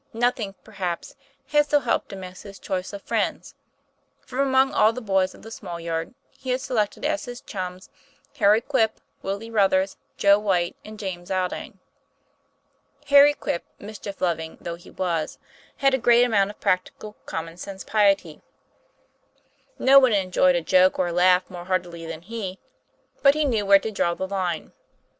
Noth ing, perhaps, had so helped him as his choice of friends. From among all the boys of the small yard, he had selected as his chums Harry Quip, Willie Ruthers, Joe Whyte, and James Aldine. Harry Quip, mischief loving though he was, had a great amount of practical, common sense piety. No one enjoyed a joke or a laugh more heartily than he, but he knew where to draw the line.